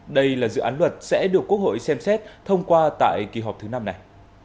đây là dự án luật sẽ được quốc hội xem xét thông qua tại kỳ họp thứ năm này